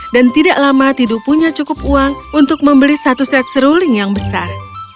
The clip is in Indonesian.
dan tidak lama tidu punya cukup uang untuk membeli satu set seruling yang besar